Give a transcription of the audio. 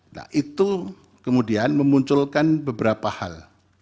nah itu kemudian memunculkan beberapa hal